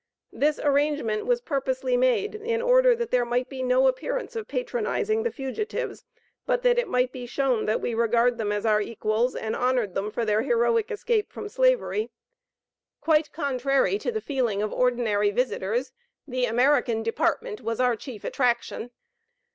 This arrangement was purposely made in order that there might be no appearance of patronizing the fugitives, but that it might be shown that we regarded them as our equals, and honored them for their heroic escape from Slavery. Quite contrary to the feeling of ordinary visitors, the American department was our chief attraction.